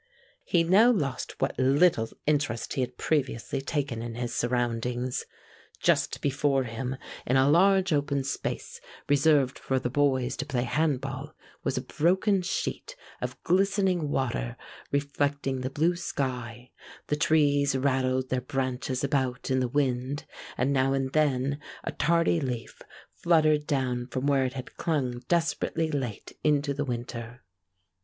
He now lost what little interest he had previously taken in his surroundings. Just before him in a large open space reserved for the boys to play handball was a broken sheet of glistening water reflecting the blue sky, the trees rattled their branches about in the wind, and now and then a tardy leaf fluttered down from where it had clung desperately late into the winter.